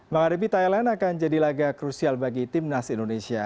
mengaripi thailand akan jadi laga krusial bagi tim nas indonesia